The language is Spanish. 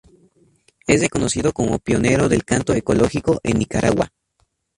Es reconocido como pionero del canto ecológico en Nicaragua.